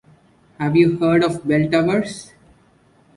Have you heard of bell towers?